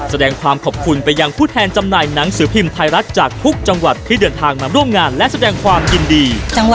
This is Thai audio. แสดงความขอบคุณไปยังผู้แทนจำหน่ายหนังสือพิมพ์ไทยรัฐจากทุกจังหวัดที่เดินทางมาร่วมงานและแสดงความยินดี